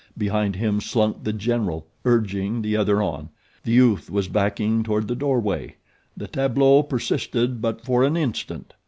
Behind him slunk The General, urging the other on. The youth was backing toward the doorway. The tableau persisted but for an instant.